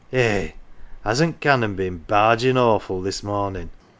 "Eh, hasn't Canon been bargin" 1 awful this mornm" 1